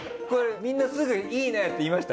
みんなすぐ「いいね！」って言いました？